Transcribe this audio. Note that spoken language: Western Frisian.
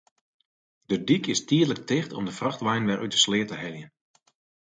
De dyk is tydlik ticht om de frachtwein wer út de sleat te heljen.